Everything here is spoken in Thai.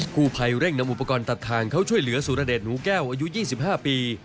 ผู้ภัยเร่งนำอุปกรณ์ตัดทางเข้าช่วยเหลือสุรเดชหนูแก้วอายุ๒๕ปี